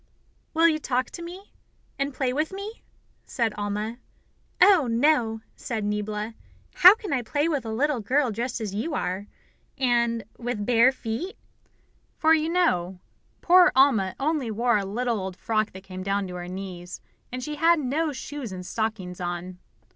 "Will you talk to me, and play with me?" said Alma. "Oh, no," said Niebla; "how can I play with a little girl dressed as you are, and with bare feet?" For, you know, poor Alma only wore a little old frock that came down to her knees, and she had no shoes and stockings on.